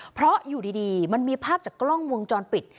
เพราะอยู่ดีมันมีภาพจากกล้องวงจรปิด